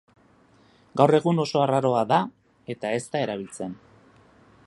Gaur egun oso arraroa da eta ez da erabiltzen.